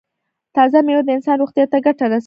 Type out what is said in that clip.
تازه میوه د انسان روغتیا ته ګټه رسوي.